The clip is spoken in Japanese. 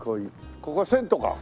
ここは銭湯か。